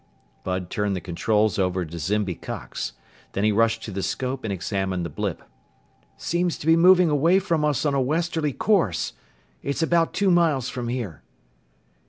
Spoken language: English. Bud turned the controls over to Zimby Cox. Then he rushed to the scope and examined the blip. "Seems to be moving away from us on a westerly course. It's about two miles from here."